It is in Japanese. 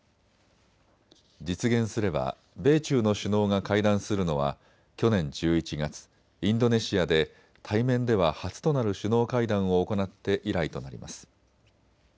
実現すれば米中の首脳が会談するのは去年１１月、インドネシアで対面では初となる首脳会談を行って以来となります。